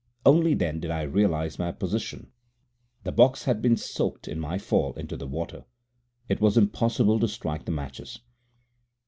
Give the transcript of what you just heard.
Only then did I realize my position. The box had been soaked in my fall into the river. It was impossible to strike the matches.